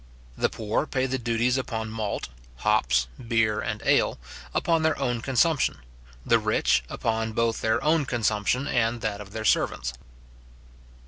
The poor pay the duties upon malt, hops, beer, and ale, upon their own consumption; the rich, upon both their own consumption and that of their servants.